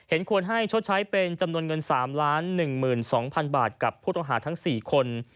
เห็นควรให้ชดใช้เป็นจำนวนเงิน๓ล้าน๑หมื่น๒พันบาทกับผู้ต้องหาทั้ง๔คน